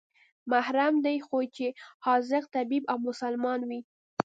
محرم دى خو چې حاذق طبيب او مسلمان وي.